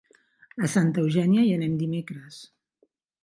A Santa Eugènia hi anem dimecres.